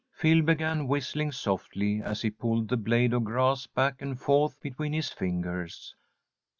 Phil began whistling softly, as he pulled the blade of grass back and forth between his fingers.